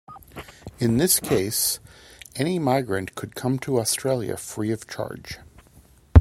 In this case, any migrant could come to Australia free of charge.